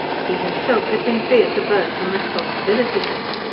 He himself had been free as a bird from responsibility.